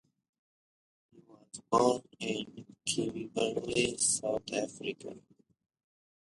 He was born in Kimberley, South Africa.